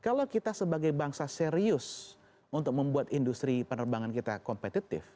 kalau kita sebagai bangsa serius untuk membuat industri penerbangan kita kompetitif